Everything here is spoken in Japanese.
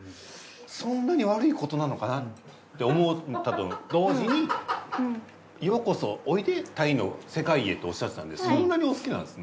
そんなに悪いことなのかなって思ったと同時に「ようこそおいでタイの世界へ」とおっしゃってたんでそんなにお好きなんですね。